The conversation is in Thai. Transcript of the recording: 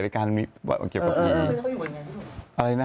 ในการเก็บกระพี